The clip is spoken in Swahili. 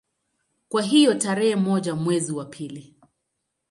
Kwa hiyo tarehe moja mwezi wa pili